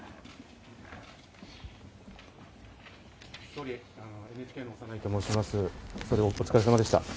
総理、お疲れさまでした。